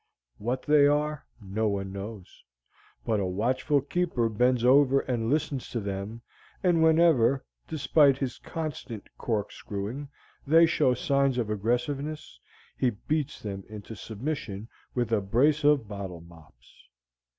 What they are no one knows; but a watchful keeper bends over and listens to them, and whenever, despite his constant cork screwing, they show signs of aggressiveness, he beats them into submission with a brace of bottle mops.